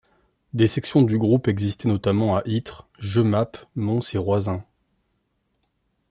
Des sections du groupe existaient notamment à Ittre, Jemappes, Mons et Roisin.